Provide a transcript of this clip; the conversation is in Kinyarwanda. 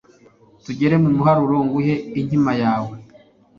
tugere mu muharuro nguhe inkima yawe